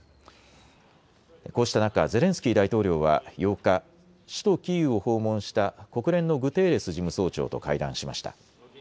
こうした中、ゼレンスキー大統領は８日、首都キーウを訪問した国連のグテーレス事務総長と会談しました。